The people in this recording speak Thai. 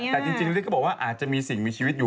แต่จริงฤทธิ์บอกว่าอาจจะมีสิ่งมีชีวิตอยู่